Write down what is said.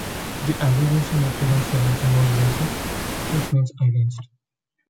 The abbreviation represents the Latin word "versus", which means "against".